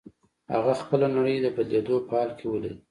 هغه خپله نړۍ د بدلېدو په حال کې وليده.